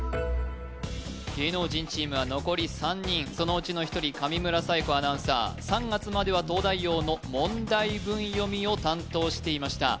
芸能人チームは残り３人そのうちの１人上村彩子アナウンサー３月までは「東大王」の問題文読みを担当していました